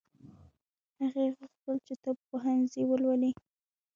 هغې غوښتل چې طب پوهنځی ولولي